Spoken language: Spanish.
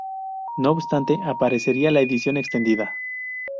No obstante, aparecería en la edición extendida.